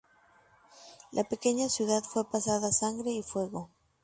La pequeña ciudad fue pasada a sangre y fuego.